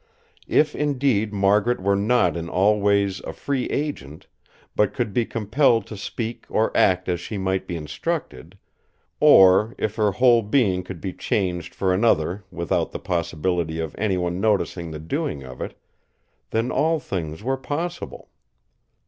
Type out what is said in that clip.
If indeed Margaret were not in all ways a free agent, but could be compelled to speak or act as she might be instructed; or if her whole being could be changed for another without the possibility of any one noticing the doing of it, then all things were possible.